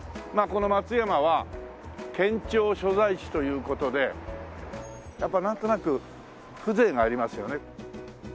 まあこの松山は県庁所在地という事でやっぱなんとなく風情がありますよね。